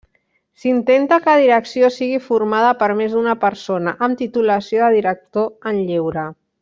S'intenta que direcció sigui formada per més d'una persona, amb titulació de director en Lleure.